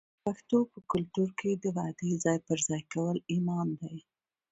د پښتنو په کلتور کې د وعدې ځای پر ځای کول ایمان دی.